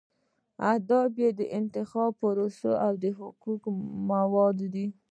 اهداف یې د انتخاب پروسه او حقوقي موارد دي.